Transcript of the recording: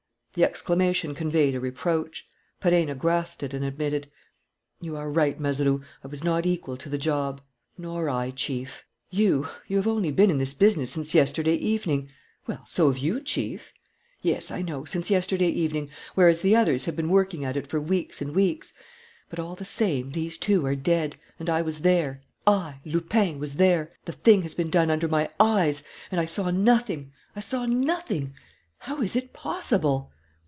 The exclamation conveyed a reproach. Perenna grasped it and admitted: "You are right, Mazeroux; I was not equal to the job." "Nor I, Chief." "You ... you have only been in this business since yesterday evening " "Well, so have you, Chief!" "Yes, I know, since yesterday evening, whereas the others have been working at it for weeks and weeks. But, all the same, these two are dead; and I was there, I, Lupin, was there! The thing has been done under my eyes; and I saw nothing! I saw nothing! How is it possible?"